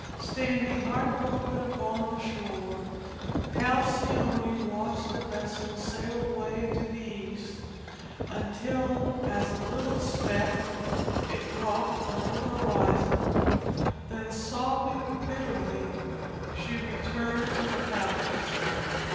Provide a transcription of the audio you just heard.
Standing heart broken upon the shore, Halcyone watched the vessel sail away into the East, until as a little speck it dropped below the horizon; then sobbing bitterly she returned to the palace.